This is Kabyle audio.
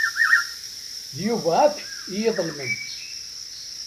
D Yuba akk i iḍelmen.